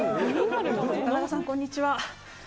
田中さん、こんにちは。